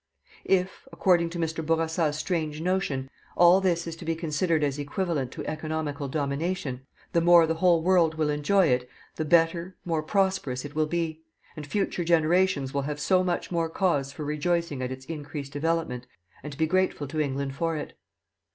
If, according to Mr. Bourassa's strange notion, all this is to be considered as equivalent to economical domination, the more the whole world will enjoy it the better, more prosperous it will be, and future generations will have so much more cause for rejoicing at its increased development, and to be grateful to England for it.